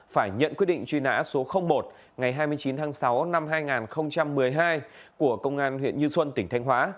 phải nhận quyết định truy nã số một ngày hai mươi chín tháng sáu năm hai nghìn một mươi hai của công an huyện như xuân tỉnh thanh hóa